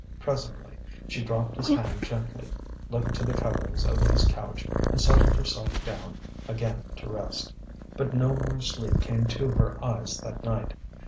Presently she dropped his hand gently, looked to the coverings of his couch, and settled herself down again to rest. But no more sleep came to her eyes that night.